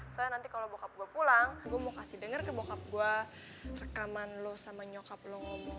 saya nanti kalau bokap gua pulang gua mau kasih denger ke bokap gua rekaman lo sama nyokap lo